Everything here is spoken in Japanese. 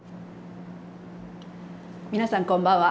皆さん、こんばんは。